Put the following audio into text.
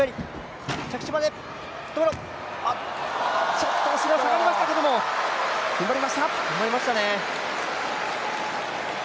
ちょっと後ろに下がりましたけど踏ん張りました。